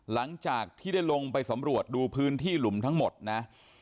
หลังจากที่ได้ลงไปสำรวจดูพื้นที่หลุมทั้งหมดนะ